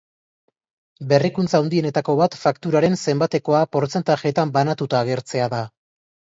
Berrikuntza handienetako bat fakturaren zenbatekoa portzentajeetan banatuta agertzea da.